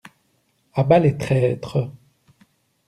A bas les traîtres!